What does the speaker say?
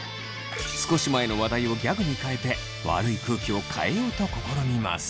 少し前の話題をギャグに変えて悪い空気を変えようと試みます。